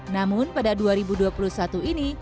namun pada dua ribu dua puluh satu ini